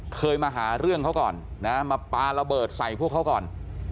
เคยมาหาเรื่องเขาก่อนนะมาปลาระเบิดใส่พวกเขาก่อน